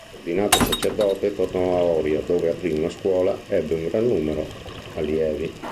Ordinato sacerdote, tornò a Oria, dove aprì una scuola, ebbe un gran numero allievi.